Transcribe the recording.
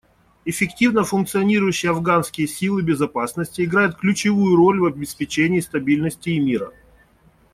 Эффективно функционирующие афганские силы безопасности играют ключевую роль в обеспечении стабильности и мира.